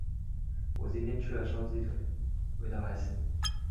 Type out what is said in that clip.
我今天吃了烤鸡腿，味道还行。